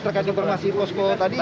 terkait informasi posko tadi